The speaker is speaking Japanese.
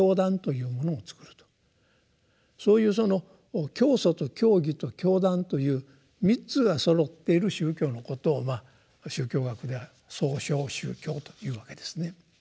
そういうその教祖と教義と教団という３つがそろっている宗教のことを宗教学では「創唱宗教」というわけですね。